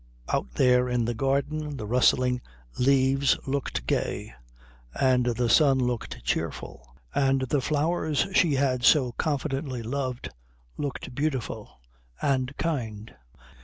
Out there in the garden the rustling leaves looked gay, and the sun looked cheerful, and the flowers she had so confidently loved looked beautiful and kind.